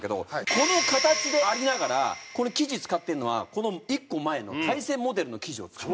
この形でありながらこの生地使ってるのはこの１個前の大戦モデルの生地を使ってる。